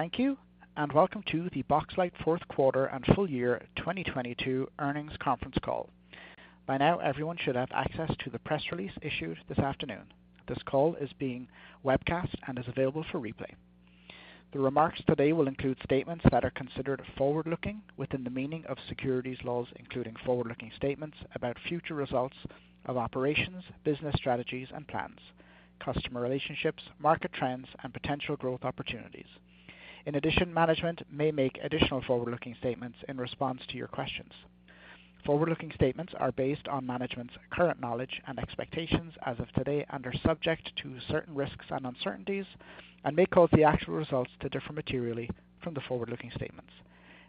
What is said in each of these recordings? Thank you. Welcome to the Boxlight fourth quarter and full year 2022 earnings conference call. By now, everyone should have access to the press release issued this afternoon. This call is being webcasted and is available for replay. The remarks today will include statements that are considered forward-looking within the meaning of securities laws, including forward-looking statements about future results of operations, business strategies and plans, customer relationships, market trends and potential growth opportunities. In addition, management may make additional forward-looking statements in response to your questions. Forward-looking statements are based on management's current knowledge and expectations as of today, are subject to certain risks and uncertainties, may cause the actual results to differ materially from the forward-looking statements.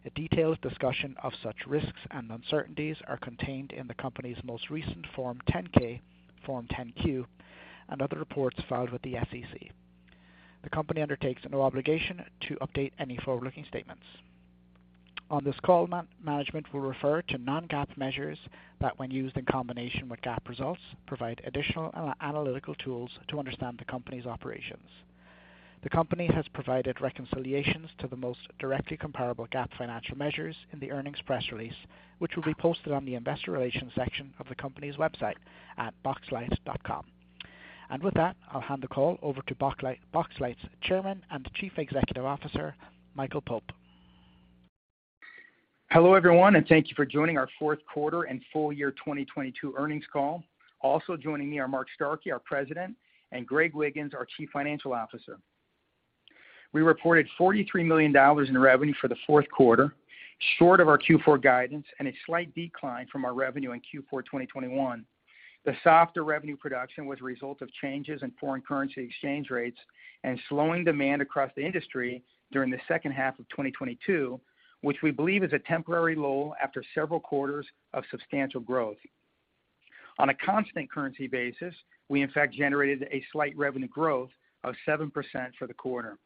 A detailed discussion of such risks and uncertainties are contained in the company's most recent Form 10-K, Form 10-Q, and other reports filed with the SEC. The company undertakes no obligation to update any forward-looking statements. On this call, management will refer to non-GAAP measures that, when used in combination with GAAP results, provide additional analytical tools to understand the company's operations. The company has provided reconciliations to the most directly comparable GAAP financial measures in the earnings press release, which will be posted on the investor relations section of the company's website at boxlight.com. With that, I'll hand the call over to Boxlight's Chairman and Chief Executive Officer, Michael Pope. Hello, everyone, and thank you for joining our fourth quarter and full year 2022 earnings call. Also joining me are Mark Starkey, our President, and Greg Wiggins, our Chief Financial Officer. We reported $43 million in revenue for the fourth quarter, short of our Q4 guidance and a slight decline from our revenue in Q4 2021. The softer revenue production was a result of changes in foreign currency exchange rates and slowing demand across the industry during the second half of 2022, which we believe is a temporary lull after several quarters of substantial growth. On a constant currency basis, we in fact generated a slight revenue growth of 7% for the quarter.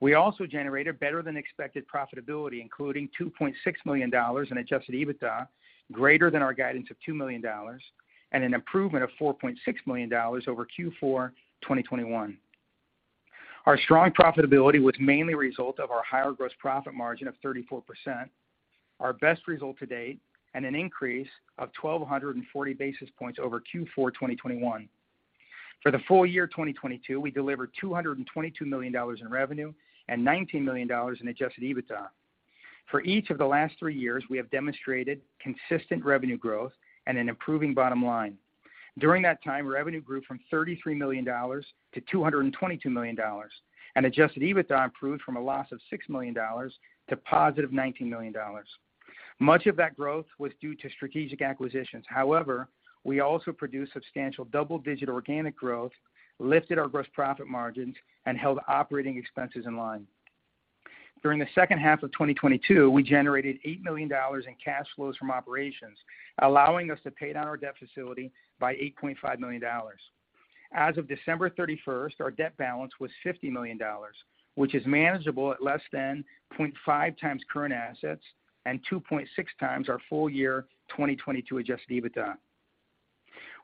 We also generated better than expected profitability, including $2.6 million in adjusted EBITDA, greater than our guidance of $2 million, and an improvement of $4.6 million over Q4 2021. Our strong profitability was mainly a result of our higher gross profit margin of 34%, our best result to date, and an increase of 1,240 basis points over Q4 2021. For the full year 2022, we delivered $222 million in revenue and $19 million in adjusted EBITDA. For each of the last three years, we have demonstrated consistent revenue growth and an improving bottom line. During that time, revenue grew from $33 million to $222 million, and adjusted EBITDA improved from a loss of $6 million to positive $19 million. Much of that growth was due to strategic acquisitions. We also produced substantial double-digit organic growth, lifted our gross profit margins, and held operating expenses in line. During the second half of 2022, we generated $8 million in cash flows from operations, allowing us to pay down our debt facility by $8.5 million. As of December 31st, our debt balance was $50 million, which is manageable at less than 0.5 times current assets and 2.6 times our full year 2022 adjusted EBITDA.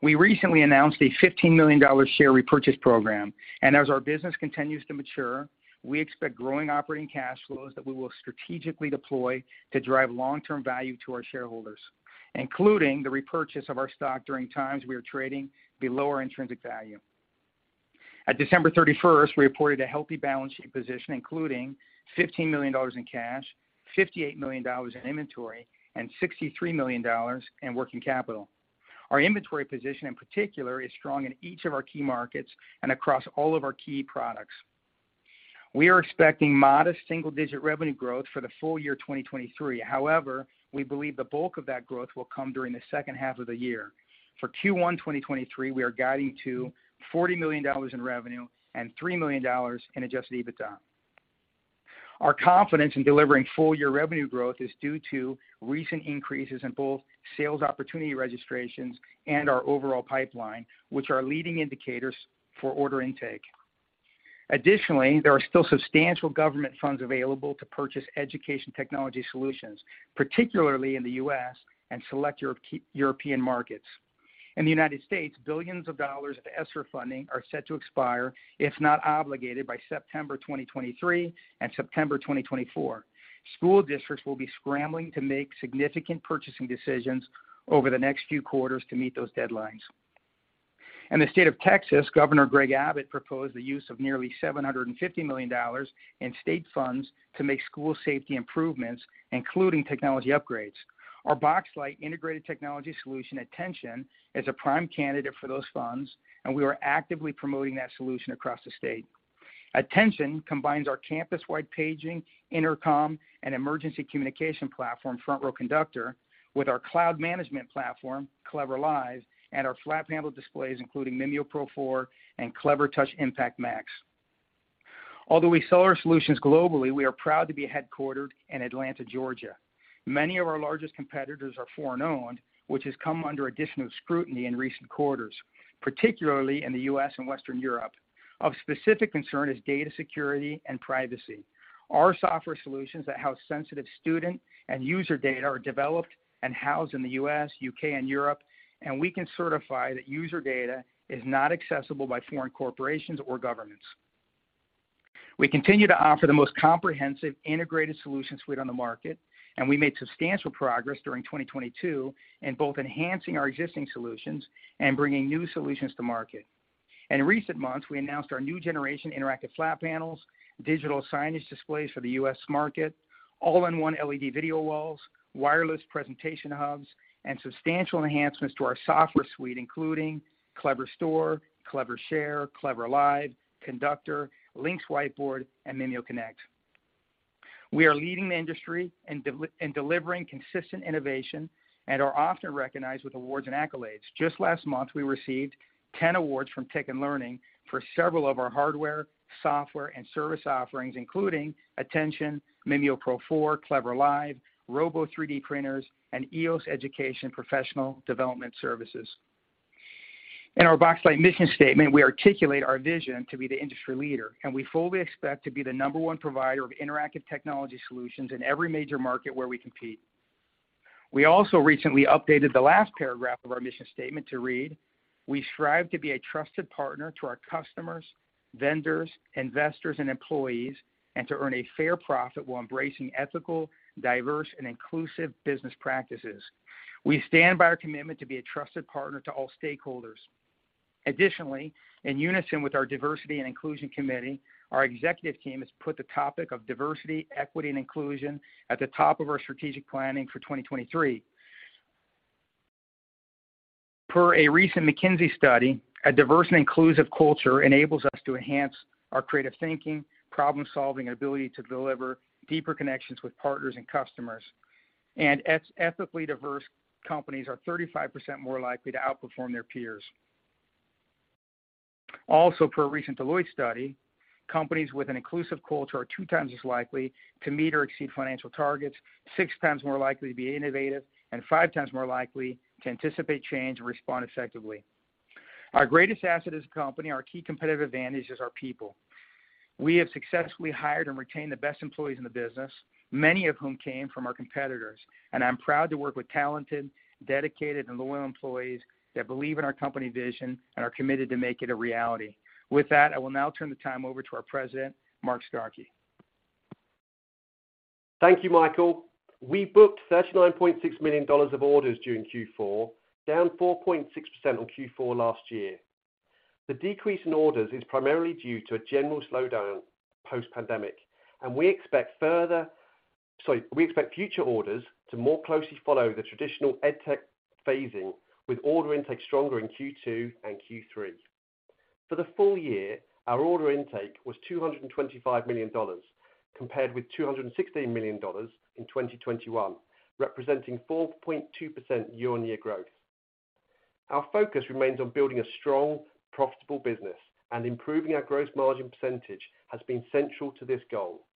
We recently announced a $15 million share repurchase program. As our business continues to mature, we expect growing operating cash flows that we will strategically deploy to drive long-term value to our shareholders, including the repurchase of our stock during times we are trading below our intrinsic value. At December 31st, we reported a healthy balance sheet position, including $15 million in cash, $58 million in inventory, and $63 million in working capital. Our inventory position in particular is strong in each of our key markets and across all of our key products. We are expecting modest single-digit revenue growth for the full year 2023. We believe the bulk of that growth will come during the second half of the year. For Q1 2023, we are guiding to $40 million in revenue and $3 million in adjusted EBITDA. Our confidence in delivering full-year revenue growth is due to recent increases in both sales opportunity registrations and our overall pipeline, which are leading indicators for order intake. There are still substantial government funds available to purchase education technology solutions, particularly in the U.S. and select Euro-European markets. In the United States, $billions of ESSER funding are set to expire if not obligated by September 2023 and September 2024. School districts will be scrambling to make significant purchasing decisions over the next few quarters to meet those deadlines. In the state of Texas, Governor Greg Abbott proposed the use of nearly $750 million in state funds to make school safety improvements, including technology upgrades. Our Boxlight integrated technology solution, Attention!, is a prime candidate for those funds, and we are actively promoting that solution across the state. Attention! combines our campus-wide paging, intercom, and emergency communication platform, FrontRow Conductor, with our cloud management platform, CleverLive, and our flat panel displays, including MimioPro4 and Clevertouch IMPACT Max. Although we sell our solutions globally, we are proud to be headquartered in Atlanta, Georgia. Many of our largest competitors are foreign-owned, which has come under additional scrutiny in recent quarters, particularly in the U.S. and Western Europe. Of specific concern is data security and privacy. Our software solutions that house sensitive student and user data are developed and housed in the U.S., U.K., and Europe, and we can certify that user data is not accessible by foreign corporations or governments. We continue to offer the most comprehensive integrated solution suite on the market, and we made substantial progress during 2022 in both enhancing our existing solutions and bringing new solutions to market. In recent months, we announced our new generation interactive flat panels, digital signage displays for the U.S. market, all-in-one LED video walls, wireless presentation hubs, and substantial enhancements to our software suite, including Cleverstore, Clevershare, CleverLive, Conductor, LYNX Whiteboard, and MimioConnect. We are leading the industry in delivering consistent innovation and are often recognized with awards and accolades. Just last month, we received 10 awards from Tech & Learning for several of our hardware, software, and service offerings, including Attention!, MimioPro 4, CleverLive, Robo 3D printers, and EOS Education professional development services. In our Boxlight mission statement, we articulate our vision to be the industry leader, and we fully expect to be the number one provider of interactive technology solutions in every major market where we compete. We also recently updated the last paragraph of our mission statement to read, "We strive to be a trusted partner to our customers, vendors, investors, and employees, and to earn a fair profit while embracing ethical, diverse, and inclusive business practices." We stand by our commitment to be a trusted partner to all stakeholders. In unison with our Diversity and Inclusion Committee, our executive team has put the topic of diversity, equity, and inclusion at the top of our strategic planning for 2023. Per a recent McKinsey study, a diverse and inclusive culture enables us to enhance our creative thinking, problem-solving ability to deliver deeper connections with partners and customers. Ethically diverse companies are 35% more likely to outperform their peers. Per a recent Deloitte study, companies with an inclusive culture are two times as likely to meet or exceed financial targets, six times more likely to be innovative, and five times more likely to anticipate change and respond effectively. Our greatest asset as a company, our key competitive advantage, is our people. We have successfully hired and retained the best employees in the business, many of whom came from our competitors, and I'm proud to work with talented, dedicated, and loyal employees that believe in our company vision and are committed to make it a reality. With that, I will now turn the time over to our President, Mark Starkey. Thank you, Michael. We booked $39.6 million of orders during Q4, down 4.6% on Q4 last year. The decrease in orders is primarily due to a general slowdown post-pandemic. We expect future orders to more closely follow the traditional EdTech phasing, with order intake stronger in Q2 and Q3. For the full year, our order intake was $225 million, compared with $216 million in 2021, representing 4.2% year-on-year growth. Our focus remains on building a strong, profitable business, and improving our gross margin % has been central to this goal.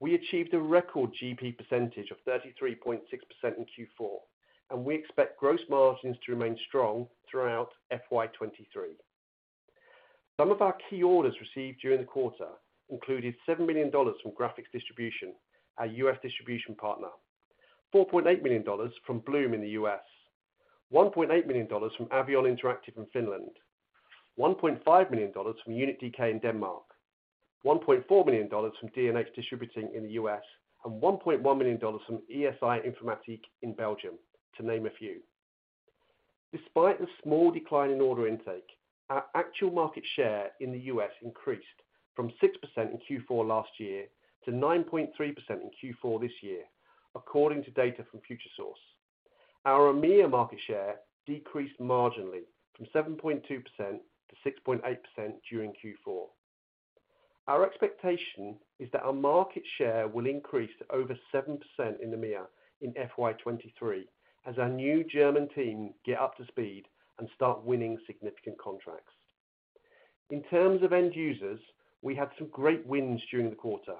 We achieved a record GP % of 33.6% in Q4, and we expect gross margins to remain strong throughout FY 2023. Some of our key orders received during the quarter included $7 million from Graphics Distribution, our U.S. distribution partner, $4.8 million from Bluum in the U.S., $1.8 million from Avion Interactive in Finland, $1.5 million from Unit DK in Denmark, $1.4 million from D&H Distributing in the U.S., and $1.1 million from ESI Informatie in Belgium, to name a few. Despite the small decline in order intake, our actual market share in the U.S. increased from 6% in Q4 last year to 9.3% in Q4 this year, according to data from Futuresource. Our EMEA market share decreased marginally from 7.2% to 6.8% during Q4. Our expectation is that our market share will increase to over 7% in EMEA in FY 2023 as our new German team get up to speed and start winning significant contracts. In terms of end users, we had some great wins during the quarter.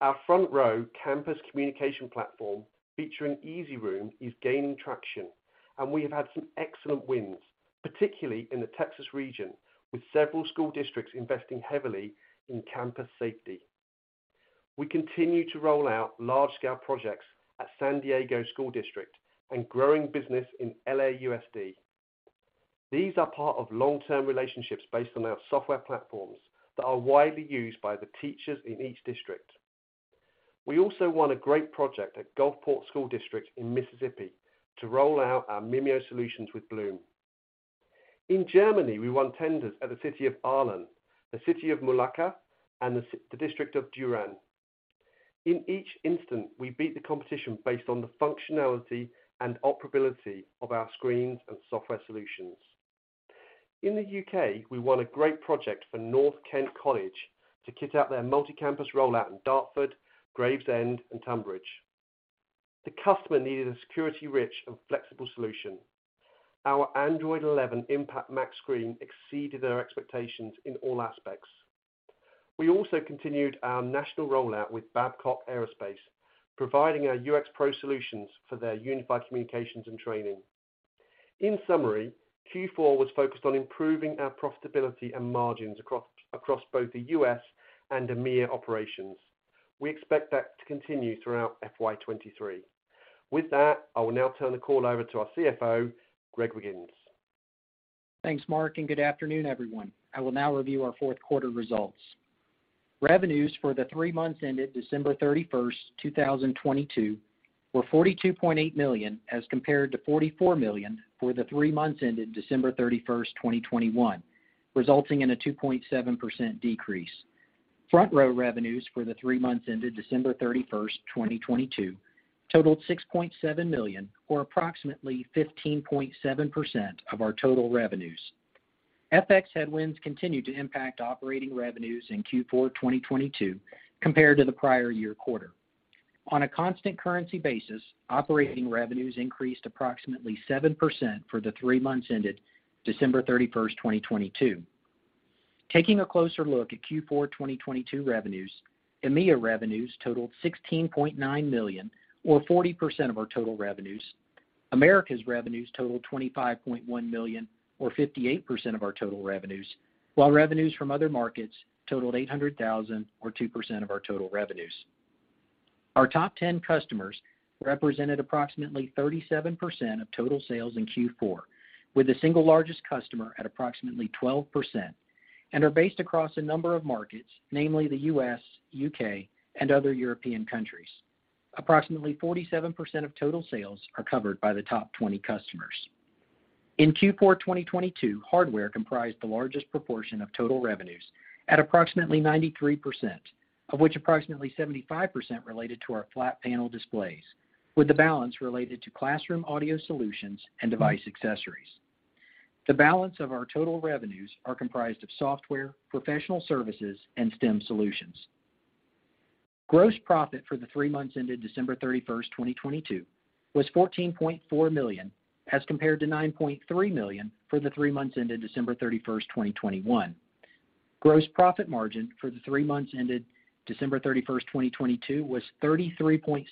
Our FrontRow campus communication platform featuring ezRoom is gaining traction, and we have had some excellent wins, particularly in the Texas region, with several school districts investing heavily in campus safety. We continue to roll out large-scale projects at San Diego Unified School District and growing business in LAUSD. These are part of long-term relationships based on our software platforms that are widely used by the teachers in each district. We also won a great project at Gulfport School District in Mississippi to roll out our Mimio solutions with Bluum. In Germany, we won tenders at the City of Ireland, the City of Mulaka, and the District of Düren. In each instance, we beat the competition based on the functionality and operability of our screens and software solutions. In the U.K., we won a great project for North Kent College to kit out their multi-campus rollout in Dartford, Gravesend, and Tonbridge. The customer needed a security-rich and flexible solution. Our Android 11 IMPACT Max screen exceeded their expectations in all aspects. We also continued our national rollout with Babcock Aerospace, providing our UX Pro solutions for their unified communications and training. In summary, Q4 was focused on improving our profitability and margins across both the U.S. and EMEA operations. We expect that to continue throughout FY 2023. With that, I will now turn the call over to our CFO, Greg Wiggins. Thanks, Mark. Good afternoon, everyone. I will now review our fourth quarter results. Revenues for the three months ended December 31st, 2022 were $42.8 million as compared to $44 million for the three months ended December 31st, 2021, resulting in a 2.7% decrease. FrontRow revenues for the 3 months ended December 31st, 2022 totaled $6.7 million or approximately 15.7% of our total revenues. FX headwinds continued to impact operating revenues in Q4 2022 compared to the prior year quarter. On a constant currency basis, operating revenues increased approximately 7% for the three months ended December 31st, 2022. Taking a closer look at Q4 2022 revenues, EMEA revenues totaled $16.9 million or 40% of our total revenues. Americas revenues totaled $25.1 million or 58% of our total revenues, while revenues from other markets totaled $800,000 or 2% of our total revenues. Our top 10 customers represented approximately 37% of total sales in Q4, with the single largest customer at approximately 12%, and are based across a number of markets, namely the U.S., U.K., and other European countries. Approximately 47% of total sales are covered by the top 20 customers. In Q4 2022, hardware comprised the largest proportion of total revenues at approximately 93%, of which approximately 75% related to our flat panel displays, with the balance related to classroom audio solutions and device accessories. The balance of our total revenues are comprised of software, professional services and STEM solutions. Gross profit for the three months ended December 31st, 2022 was $14.4 million as compared to $9.3 million for the three months ended December 31st, 2021. Gross profit margin for the three months ended December 31st, 2022 was 33.6%,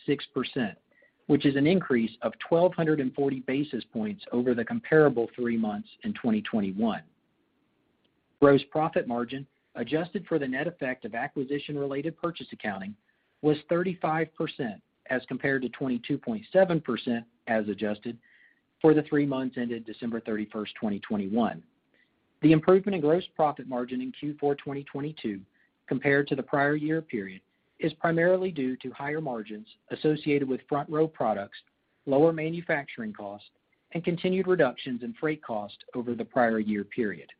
which is an increase of 1,240 basis points over the comparable three months in 2021. Gross profit margin, adjusted for the net effect of acquisition-related purchase accounting, was 35% as compared to 22.7% as adjusted for the three months ended December 31st, 2021. The improvement in gross profit margin in Q4 2022 compared to the prior year period is primarily due to higher margins associated with FrontRow products, lower manufacturing costs, and continued reductions in freight cost over the prior year period.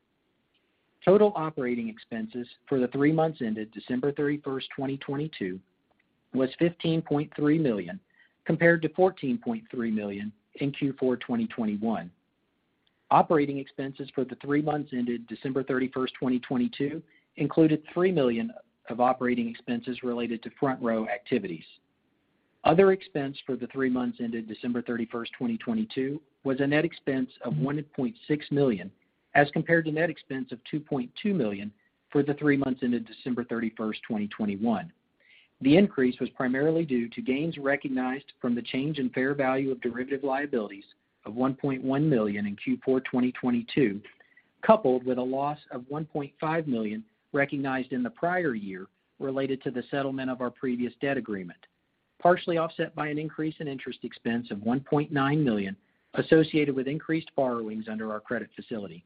Total operating expenses for the three months ended December 31st, 2022 was $15.3 million, compared to $14.3 million in Q4 2021. Operating expenses for the three months ended December 31st, 2022 included $3 million of operating expenses related to FrontRow activities. Other expense for the three months ended December 31st, 2022 was a net expense of $1.6 million, as compared to net expense of $2.2 million for the three months ended December 31, 2021. The increase was primarily due to gains recognized from the change in fair value of derivative liabilities of $1.1 million in Q4 2022, coupled with a loss of $1.5 million recognized in the prior year related to the settlement of our previous debt agreement, partially offset by an increase in interest expense of $1.9 million associated with increased borrowings under our credit facility.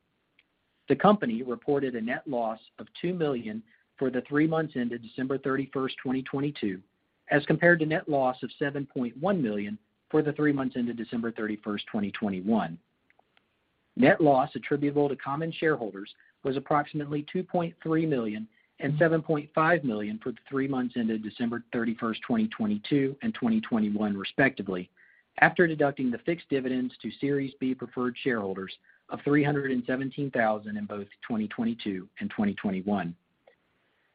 The company reported a net loss of $2 million for the three months ended December 31st, 2022, as compared to net loss of $7.1 million for the three months ended December 31st, 2021. Net loss attributable to common shareholders was approximately $2.3 million and $7.5 million for the three months ended December 31st, 2022 and 2021 respectively, after deducting the fixed dividends to Series B preferred shareholders of $317,000 in both 2022 and 2021.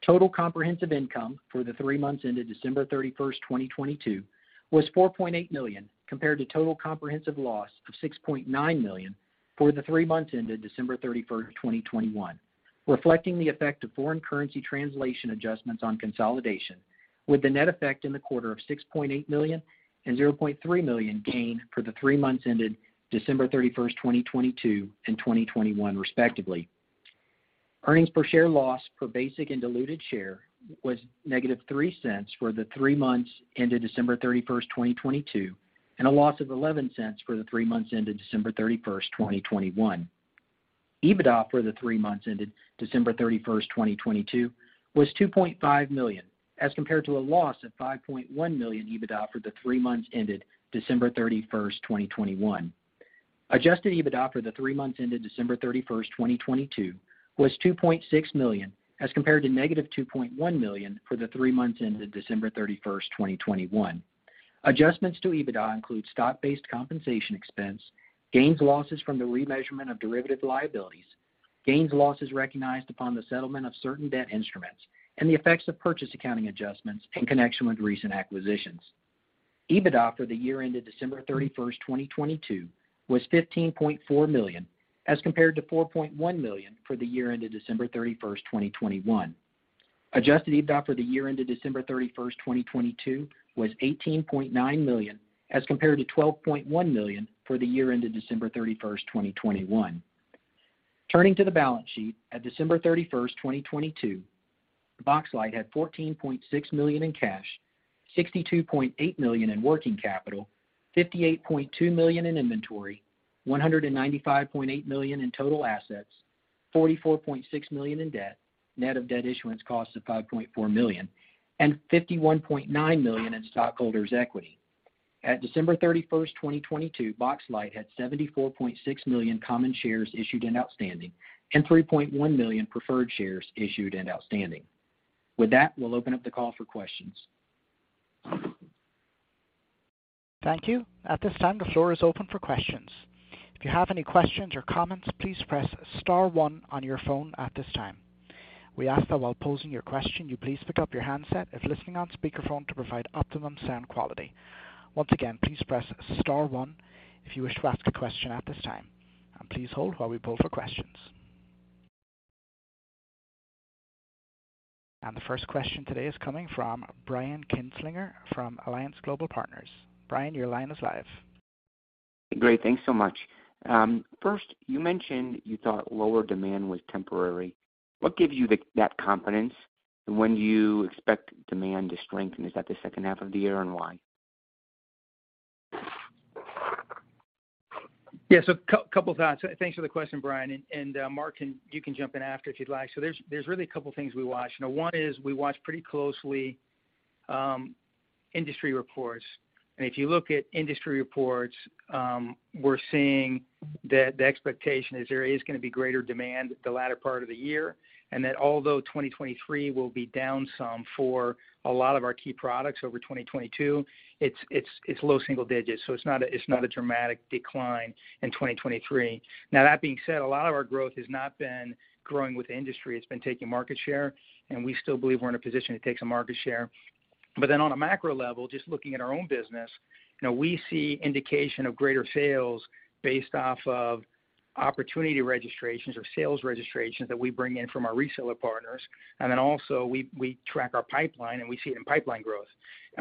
Total comprehensive income for the three months ended December 31st, 2022 was $4.8 million, compared to total comprehensive loss of $6.9 million for the three months ended December 31st, 2021, reflecting the effect of foreign currency translation adjustments on consolidation, with the net effect in the quarter of $6.8 million and $0.3 million gain for the three months ended December 31st, 2022 and 2021 respectively. Earnings per share loss per basic and diluted share was -$0.03 for the three months ended December 31, 2022, and a loss of $0.11 for the three months ended December 31st, 2021. EBITDA for the three months ended December 31st, 2022, was $2.5 million, as compared to a loss of $5.1 million EBITDA for the three months ended December 31, 2021. Adjusted EBITDA for the three months ended December 31st, 2022, was $2.6 million, as compared to -$2.1 million for the three months ended December 31st, 2021. Adjustments to EBITDA include stock-based compensation expense, gains losses from the remeasurement of derivative liabilities, gains losses recognized upon the settlement of certain debt instruments, and the effects of purchase accounting adjustments in connection with recent acquisitions. EBITDA for the year ended December 31st, 2022 was $15.4 million, as compared to $4.1 million for the year ended December 31st, 2021. Adjusted EBITDA for the year ended December 31st, 2022 was $18.9 million, as compared to $12.1 million for the year ended December 31st, 2021. Turning to the balance sheet at December 31st, 2022. Boxlight had $14.6 million in cash, $62.8 million in working capital, $58.2 million in inventory, $195.8 million in total assets, $44.6 million in debt, net of debt issuance cost of $5.4 million, and $51.9 million in stockholders' equity. At December 31st, 2022, Boxlight had 74.6 million common shares issued and outstanding and 3.1 million preferred shares issued and outstanding. With that, we'll open up the call for questions. Thank you. At this time, the floor is open for questions. If you have any questions or comments, please press star one on your phone at this time. We ask that while posing your question, you please pick up your handset if listening on speaker phone to provide optimum sound quality. Once again, please press star one if you wish to ask a question at this time. Please hold while we pull for questions. The first question today is coming from Brian Kinstlinger from Alliance Global Partners. Brian, your line is live. Great. Thanks so much. First, you mentioned you thought lower demand was temporary. What gives you that confidence? When do you expect demand to strengthen? Is that the second half of the year? Why? Yeah, couple thoughts. Thanks for the question, Brian. Mark can, you can jump in after if you'd like. There's really a couple things we watch. One is we watch pretty closely, industry reports. If you look at industry reports, we're seeing that the expectation is there is gonna be greater demand the latter part of the year, and that although 2023 will be down some for a lot of our key products over 2022, it's low single digits, so it's not a, it's not a dramatic decline in 2023. That being said, a lot of our growth has not been growing with industry. It's been taking market share, and we still believe we're in a position to take some market share. On a macro level, just looking at our own business, now we see indication of greater sales based off of opportunity registrations or sales registrations that we bring in from our reseller partners. Also we track our pipeline, and we see it in pipeline growth.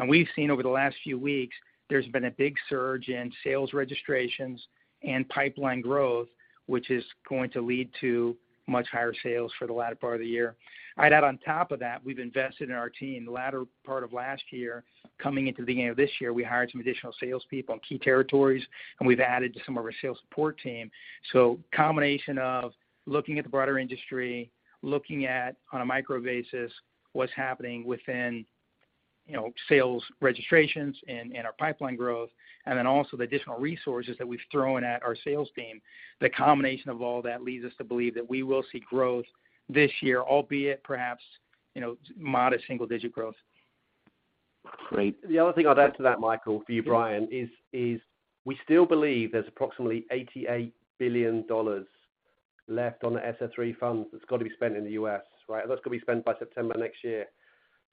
We've seen over the last few weeks, there's been a big surge in sales registrations and pipeline growth, which is going to lead to much higher sales for the latter part of the year. I'd add on top of that, we've invested in our team the latter part of last year. Coming into the beginning of this year, we hired some additional sales people in key territories, and we've added to some of our sales support team. Combination of looking at the broader industry, looking at on a micro basis what's happening within, you know, sales registrations and our pipeline growth, and then also the additional resources that we've thrown at our sales team. The combination of all that leads us to believe that we will see growth this year, albeit perhaps, you know, modest single digit growth. Great. The other thing I'd add to that, Michael, for you, Brian, is we still believe there's approximately $88 billion left on the ESSER III funds that's got to be spent in the U.S., right? That's got to be spent by September next year.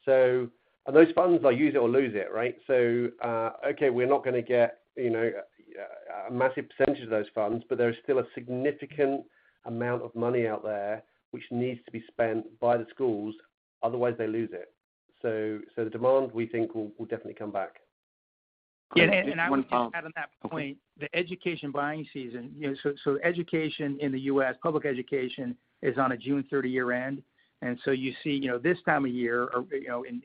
Those funds are use it or lose it, right? Okay, we're not gonna get, you know, a massive percentage of those funds, but there is still a significant amount of money out there which needs to be spent by the schools, otherwise they lose it. The demand, we think, will definitely come back. Yeah. I would just add on that point, the education buying season. You know, so education in the U.S., public education is on a June 30 year-end. you see, you know, this time of year or, you know, in,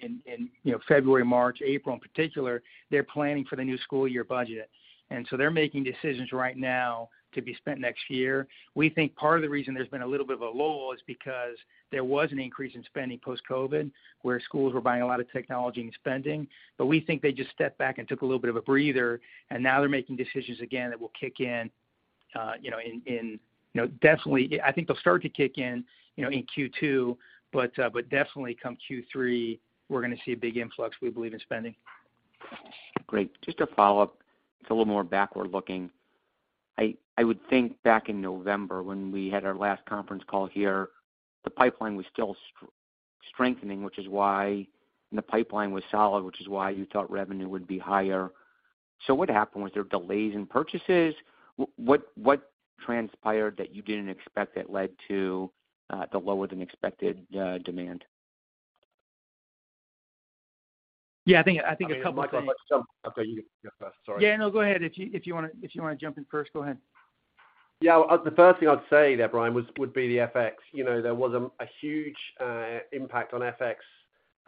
you know, February, March, April in particular, they're planning for the new school year budget. they're making decisions right now to be spent next year. We think part of the reason there's been a little bit of a lull is because there was an increase in spending post-COVID, where schools were buying a lot of technology and spending. We think they just stepped back and took a little bit of a breather, and now they're making decisions again that will kick in, you know, in, you know, definitely I think they'll start to kick in, you know, in Q2, but definitely come Q3, we're gonna see a big influx, we believe, in spending. Great. Just to follow up, it's a little more backward looking. I would think back in November when we had our last conference call here, the pipeline was still strengthening, which is why, and the pipeline was solid, which is why you thought revenue would be higher. What happened? Was there delays in purchases? What transpired that you didn't expect that led to the lower than expected demand? Yeah, I think a couple things- Okay. You go first. Sorry. Yeah. No, go ahead. If you wanna jump in first, go ahead. Yeah. The first thing I'd say there, Brian, would be the FX. You know, there was a huge impact on FX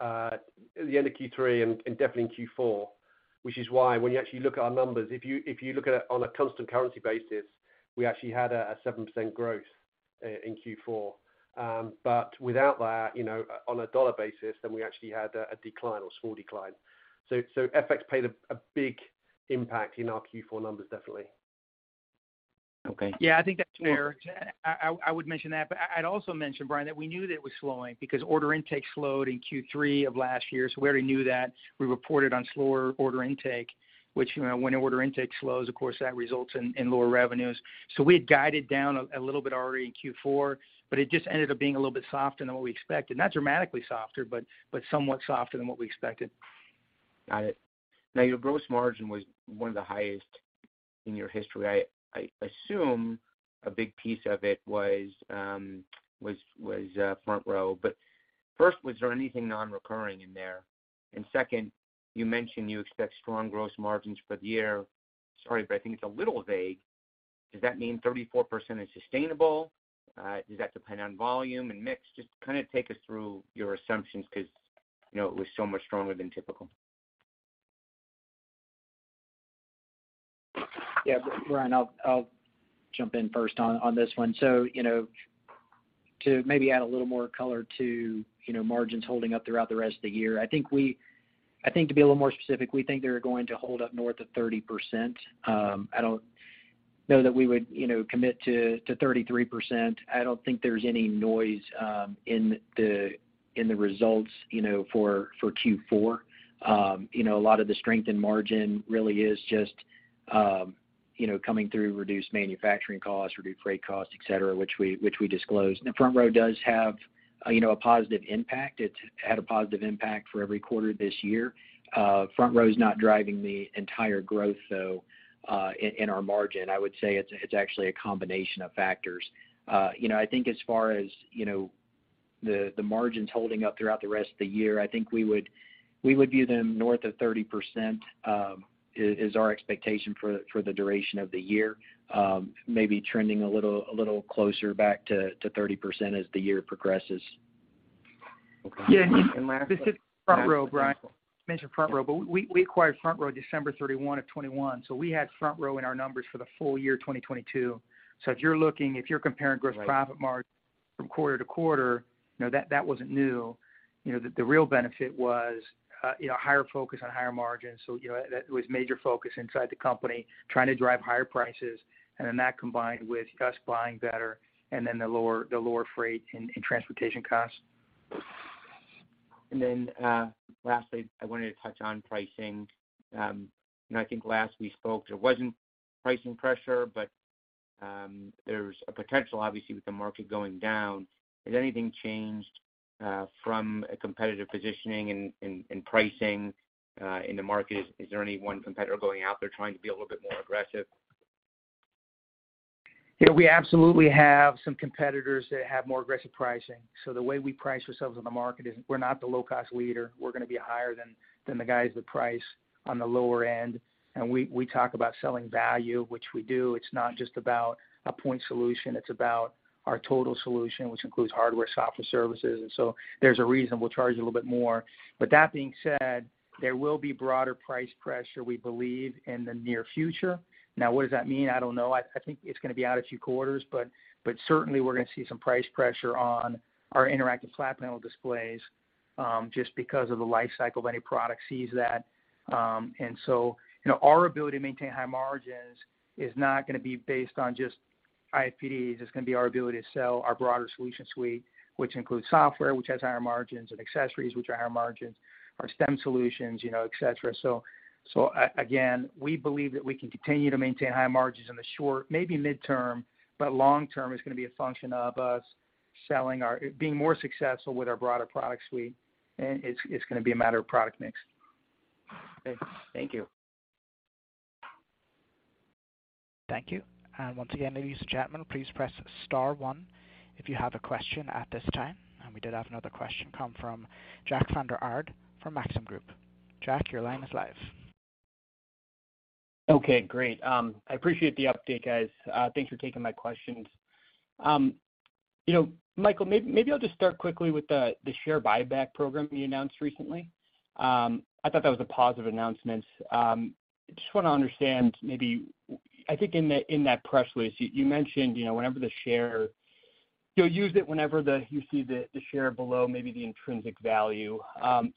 at the end of Q3 and definitely in Q4, which is why when you actually look at our numbers, if you, if you look at it on a constant currency basis, we actually had a 7% growth in Q4. Without that, you know, on a dollar basis, we actually had a decline or small decline. FX played a big impact in our Q4 numbers, definitely. Okay. Yeah. I think that's fair. I would mention that, but I'd also mention, Brian, that we knew that it was slowing because order intake slowed in Q3 of last year. We already knew that. We reported on slower order intake, which, you know, when order intake slows, of course that results in lower revenues. We had guided down a little bit already in Q4, but it just ended up being a little bit softer than what we expected. Not dramatically softer, but somewhat softer than what we expected. Got it. Now your gross margin was one of the highest in your history. I assume a big piece of it was FrontRow. First, was there anything non-recurring in there? Second, you mentioned you expect strong gross margins for the year. Sorry, but I think it's a little vague. Does that mean 34% is sustainable? Does that depend on volume and mix? Just kind of take us through your assumptions 'cause, you know, it was so much stronger than typical. Yeah, Brian, I'll jump in first on this one. To maybe add a little more color to, you know, margins holding up throughout the rest of the year, I think to be a little more specific, we think they're going to hold up north of 30%. I don't know that we would, you know, commit to 33%. I don't think there's any noise in the results, you know, for Q4. You know, a lot of the strength in margin really is just, you know, coming through reduced manufacturing costs, reduced freight costs, et cetera, which we disclosed. FrontRow does have, you know, a positive impact. It's had a positive impact for every quarter this year. FrontRow's not driving the entire growth though in our margin. I would say it's actually a combination of factors. you know, I think as far as, you know, the margins holding up throughout the rest of the year, I think we would view them north of 30%, is our expectation for the duration of the year, maybe trending a little closer back to 30% as the year progresses. Okay. Yeah, this is FrontRow, Brian. You mentioned FrontRow. We acquired FrontRow December 31 of 2021. We had FrontRow in our numbers for the full year, 2022. If you're comparing gross profit margin from quarter to quarter, you know, that wasn't new. The real benefit was, you know, higher focus on higher margins. You know, that was major focus inside the company, trying to drive higher prices, and then that combined with us buying better and then the lower freight and transportation costs. Lastly, I wanted to touch on pricing. I think last we spoke, there wasn't pricing pressure, but there's a potential obviously with the market going down. Has anything changed from a competitive positioning in pricing in the market? Is there any one competitor going out there trying to be a little bit more aggressive? You know, we absolutely have some competitors that have more aggressive pricing. The way we price ourselves in the market is we're not the low-cost leader. We're gonna be higher than the guys that price on the lower end. We talk about selling value, which we do. It's not just about a point solution. It's about our total solution, which includes hardware, software, services. There's a reason we'll charge a little bit more. That being said, there will be broader price pressure, we believe, in the near future. Now, what does that mean? I don't know. I think it's gonna be out a few quarters. But certainly we're gonna see some price pressure on our interactive flat panel displays, just because of the life cycle of any product sees that. You know, our ability to maintain high margins is not gonna be based on just IFPDs. It's gonna be our ability to sell our broader solution suite, which includes software, which has higher margins, and accessories, which are higher margins, our STEM solutions, you know, et cetera. Again, we believe that we can continue to maintain higher margins in the short, maybe midterm, but long term is gonna be a function of us Being more successful with our broader product suite, and it's gonna be a matter of product mix. Okay. Thank you. Thank you. Once again, ladies and gentlemen, please press star one if you have a question at this time. We did have another question come from Jack Vander Aarde from Maxim Group. Jack, your line is live. Okay, great. I appreciate the update, guys. Thanks for taking my questions. You know, Michael, maybe I'll just start quickly with the share buyback program you announced recently. I thought that was a positive announcement. I just wanna understand maybe, I think in the, in that press release, you mentioned, you know, you'll use it whenever the, you see the share below maybe the intrinsic value.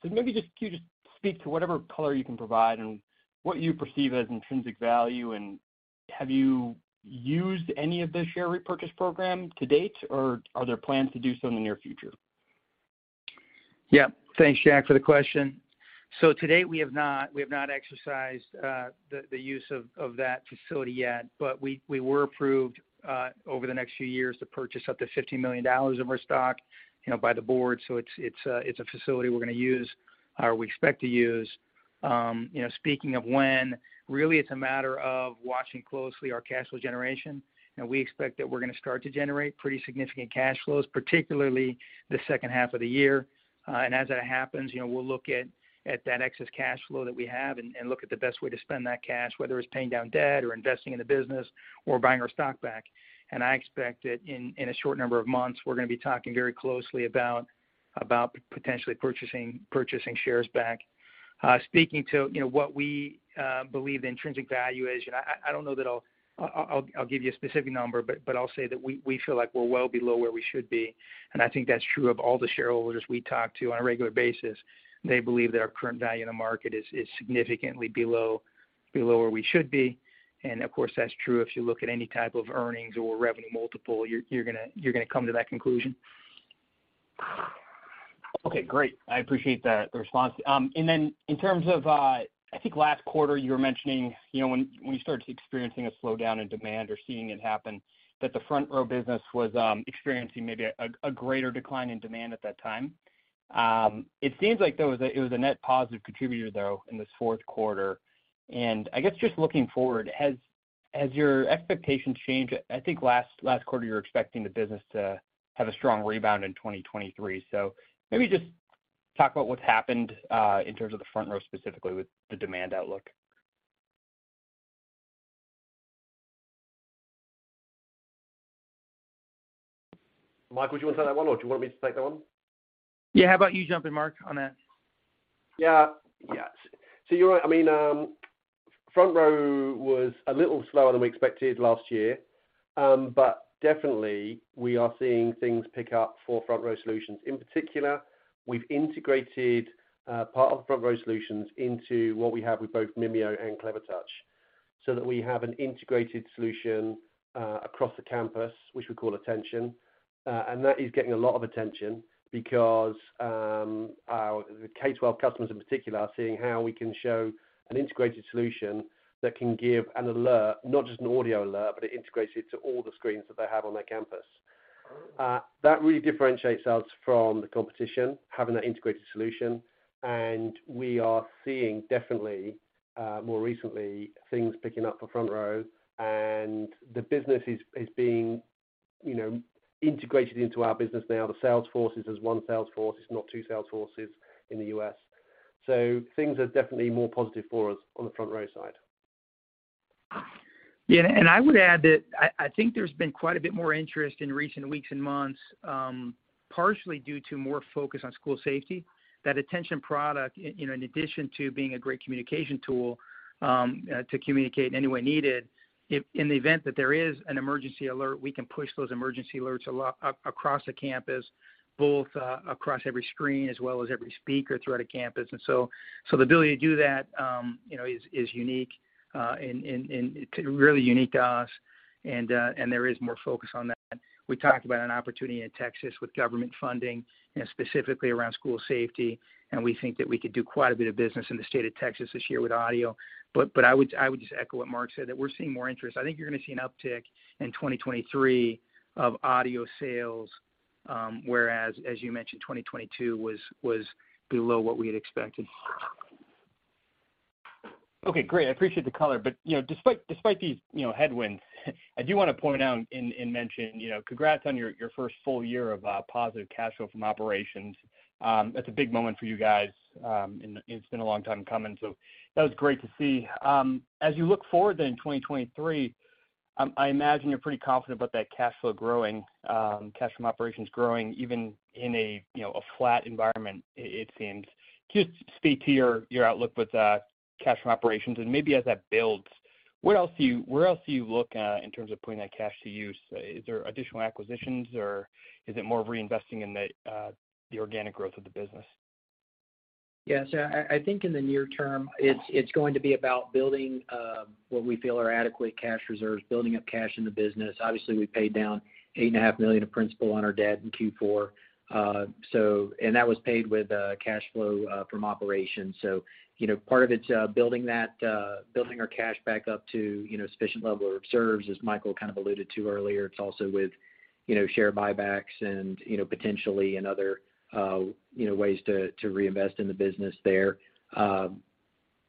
Maybe just can you just speak to whatever color you can provide and what you perceive as intrinsic value? Have you used any of the share repurchase program to date, or are there plans to do so in the near future? Yeah. Thanks, Jack, for the question. To date, we have not exercised the use of that facility yet, we were approved over the next few years to purchase up to $50 million of our stock, you know, by the board. It's a facility we're gonna use, or we expect to use. You know, speaking of when, really, it's a matter of watching closely our cash flow generation, and we expect that we're gonna start to generate pretty significant cash flows, particularly the second half of the year. As that happens, you know, we'll look at that excess cash flow that we have and look at the best way to spend that cash, whether it's paying down debt or investing in the business or buying our stock back. I expect that in a short number of months, we're gonna be talking very closely about potentially purchasing shares back. Speaking to, you know, what we believe the intrinsic value is, you know, I don't know that I'll give you a specific number, but I'll say that we feel like we're well below where we should be, and I think that's true of all the shareholders we talk to on a regular basis. They believe that our current value in the market is significantly below where we should be. Of course, that's true if you look at any type of earnings or revenue multiple, you're gonna come to that conclusion. Okay, great. I appreciate the response. In terms of, I think last quarter you were mentioning, you know, when you started experiencing a slowdown in demand or seeing it happen, that the FrontRow business was experiencing maybe a greater decline in demand at that time. It seems like, though, it was a net positive contributor, though, in this fourth quarter. I guess just looking forward, has your expectations changed? I think last quarter you were expecting the business to have a strong rebound in 2023. Maybe just talk about what's happened, in terms of the FrontRow specifically with the demand outlook. Michael, do you wanna take that one or do you want me to take that one? Yeah, how about you jumping, Mark, on that? Yeah. Yeah. You're right, I mean, FrontRow was a little slower than we expected last year. Definitely we are seeing things pick up for FrontRow Solutions. In particular, we've integrated part of FrontRow Solutions into what we have with both Mimio and Clevertouch so that we have an integrated solution across the campus, which we call Attention. That is getting a lot of attention because our K-12 customers in particular are seeing how we can show an integrated solution that can give an alert, not just an audio alert, but it integrates it to all the screens that they have on their campus. That really differentiates us from the competition, having that integrated solution. We are seeing definitely more recently things picking up for FrontRow and the business is being, you know, integrated into our business now. The sales forces is one sales force, it's not two sales forces in the U.S.. Things are definitely more positive for us on the FrontRow side. I would add that I think there's been quite a bit more interest in recent weeks and months, partially due to more focus on school safety. That Attention product, you know, in addition to being a great communication tool, to communicate anywhere needed, if in the event that there is an emergency alert, we can push those emergency alerts across the campus, both across every screen as well as every speaker throughout a campus. The ability to do that, you know, is unique, and it's really unique to us, and there is more focus on that. We talked about an opportunity in Texas with government funding and specifically around school safety, and we think that we could do quite a bit of business in the state of Texas this year with audio. I would, I would just echo what Mark said, that we're seeing more interest. I think you're gonna see an uptick in 2023 of audio sales, whereas as you mentioned, 2022 was below what we had expected. Okay, great. I appreciate the color. Despite these, you know, headwinds, I do wanna point out and mention, you know, congrats on your first full year of positive cash flow from operations. That's a big moment for you guys, and it's been a long time coming, so that was great to see. As you look forward then in 2023, I imagine you're pretty confident about that cash flow growing, cash from operations growing even in a, you know, a flat environment it seems. Just speak to your outlook with cash from operations and maybe as that builds, where else do you look in terms of putting that cash to use? Is there additional acquisitions or is it more of reinvesting in the organic growth of the business? Yeah. I think in the near term it's going to be about building what we feel are adequate cash reserves, building up cash in the business. Obviously we paid down $8 and a half million of principal on our debt in Q4. That was paid with cash flow from operations. You know, part of it's building that, building our cash back up to, you know, sufficient level of reserves as Michael kind of alluded to earlier. It's also with, you know, share buybacks and, you know, potentially and other, you know, ways to reinvest in the business there.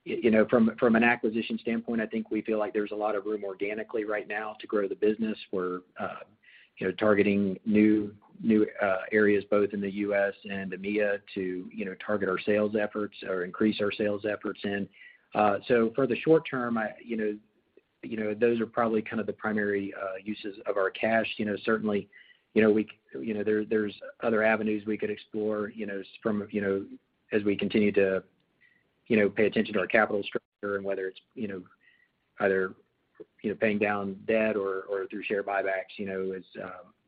You know, from an acquisition standpoint, I think we feel like there's a lot of room organically right now to grow the business. We're, you know, targeting new areas both in the U.S. and EMEA to, you know, target our sales efforts or increase our sales efforts in. For the short term I, you know, those are probably kind of the primary uses of our cash. You know, certainly, you know, there's other avenues we could explore, you know, from, you know, as we continue to, you know, pay attention to our capital structure and whether it's, you know, either, you know, paying down debt or through share buybacks, you know, as,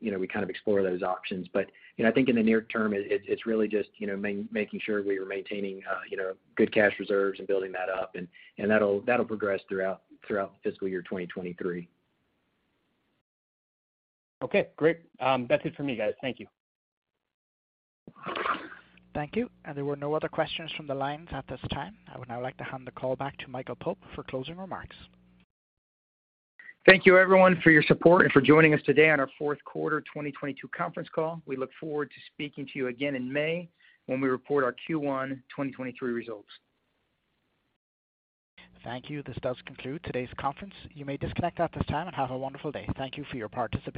you know, we kind of explore those options. you know, I think in the near term it's really just, you know, making sure we are maintaining, you know, good cash reserves and building that up and that'll progress throughout fiscal year 2023. Okay, great. That's it for me guys. Thank you. Thank you. There were no other questions from the lines at this time. I would now like to hand the call back to Michael Pope for closing remarks. Thank you everyone for your support and for joining us today on our fourth quarter 2022 conference call. We look forward to speaking to you again in May when we report our Q1 2023 results. Thank you. This does conclude today's conference. You may disconnect at this time and have a wonderful day. Thank you for your participation.